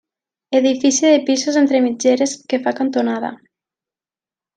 Edifici de pisos entre mitgeres, que fa cantonada.